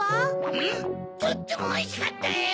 うんとってもおいしかったよ！